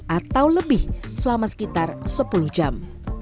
atau lebih selama sekitar sepuluh jam